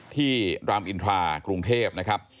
รามอินทรากรุงเทพนะครับ